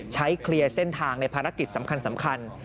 เคลียร์เส้นทางในภารกิจสำคัญ